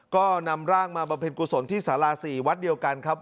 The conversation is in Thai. ก็นำร่างมาบำเพ็ญกุศลที่สารา๔วัดเดียวกันครับ